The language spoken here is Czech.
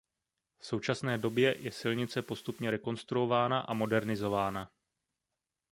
V současné době je silnice postupně rekonstruována a modernizována.